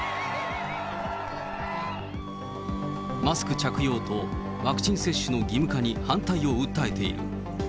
マスク着用とワクチン接種の義務化に反対を訴えている。